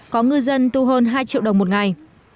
có ngư dân tu hơn hai triệu đồng một ngày